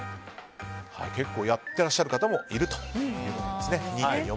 結構、やってらっしゃる方もいるということですね。